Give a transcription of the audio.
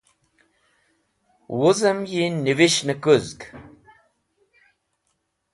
Wuzem yi Niveshnekuzg.